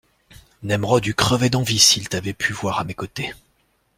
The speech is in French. Nemrod eût crevé d'envie s'il t'avait pu voir à mes côtés.